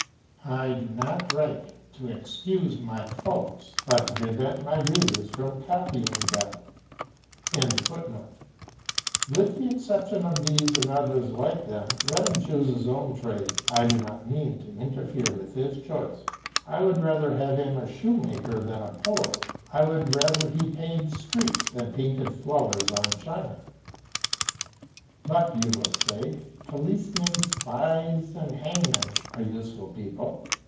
I do not write to excuse my faults, but to prevent my readers from copying them.] With the exception of these and others like them, let him choose his own trade, I do not mean to interfere with his choice. I would rather have him a shoemaker than a poet, I would rather he paved streets than painted flowers on china. "But," you will say, "policemen, spies, and hangmen are useful people."